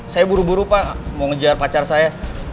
saya buru buru pak mau ngejar pacar saya